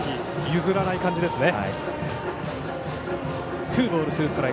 譲らない感じですね。